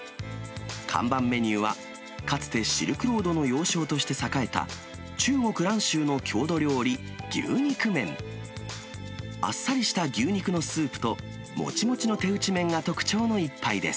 看板メニューは、かつてシルクロードの要衝として栄えた、中国・蘭州の郷土料理、牛肉麺。あっさりした牛肉のスープと、もちもちの手打ち麺が特徴の一杯です。